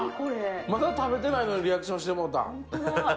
まだ食べてないのにリアクションしてもうた。